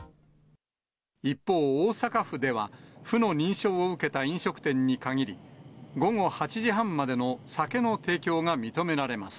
一方、大阪府では、府の認証を受けた飲食店に限り、午後８時半までの酒の提供が認められます。